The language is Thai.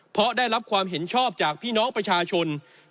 เพราะได้รับความเห็นชอบจากพี่น้องประชาชน